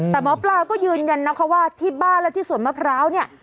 แต่หมอปลาก็ยืนยันนะคะว่าที่บ้านและที่สวนมะพร้าวเนี่ย